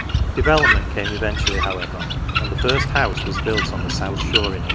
Development came eventually, how ever, and the first house was built on the South Shore in 1819.